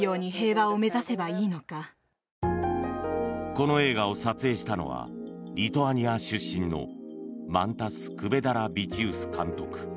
この映画を撮影したのはリトアニア出身のマンタス・クベダラビチウス監督。